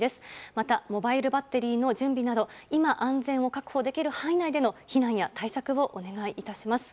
また、モバイルバッテリーの準備など今、安全を確保できる範囲内での避難や対策をお願いいたします。